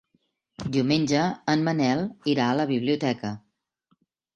Diumenge en Manel irà a la biblioteca.